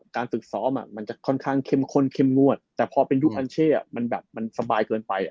การฝึกซ้อมมันจะค่อนข้างเข้มข้นเข้มงวดแต่พอเป็นยุคัญเช่มันแบบมันสบายเกินไป